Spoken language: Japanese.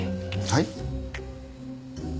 はい？